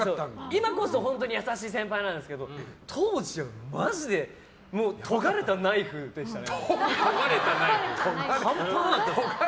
今こそ本当に優しい先輩なんですけど当時はマジでとがれたナイフでしたね。